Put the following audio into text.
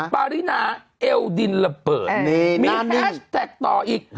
ปารินาเอวดินระเบิดมีแฮชแท็กต่ออีก